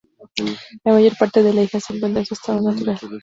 La mayor parte de la isla se encuentra en su estado natural.